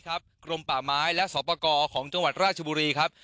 กรมป่าไม้และสอบประกอบของจังหวัดราชบุรีครับ